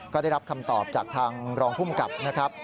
ก็ได้รับคำตอบจากทางรองภูมิกับนะครับ